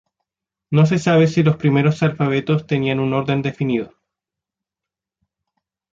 No se sabe si los primeros alfabetos tenían un orden definido.